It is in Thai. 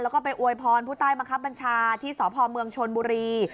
แล้วไปอวยพรผู้ใต้มะคับปัญชาที่สพเชิญบุรี